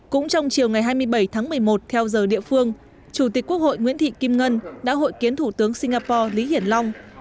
cũng trong chiều ngày hai mươi bảy tháng một mươi một theo giờ địa phương chủ tịch quốc hội nguyễn thị kim ngân đã hội kiến thủ tướng singapore lý hiển long